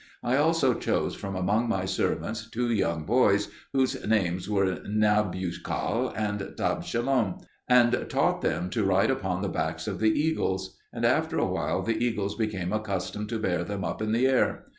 I also chose from among my servants two young boys whose names were Nabuchal and Tabshalom, and taught them to ride upon the backs of the eagles; and after a while the eagles became accustomed to bear them up in the air.